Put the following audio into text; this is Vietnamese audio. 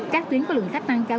các tuyến có lượng khách năng cao